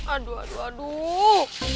aduh aduh aduh